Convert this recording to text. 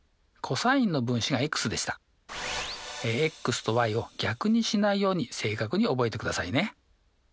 ｘとｙを逆にしないように正確に覚えてくださいね。